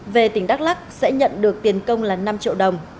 về tỉnh đắk lắc sẽ nhận được tiền công là năm triệu đồng